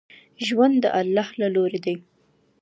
ژوند د الله له لوري دی.